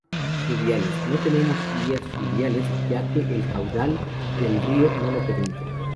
Fluviales: No tenemos vías fluviales ya que el caudal del río no lo permite.